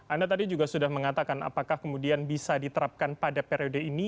anda tadi juga sudah mengatakan apakah kemudian bisa diterapkan pada periode ini